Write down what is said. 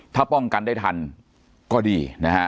ถ้าป้องกันได้ทันก็ดีนะฮะ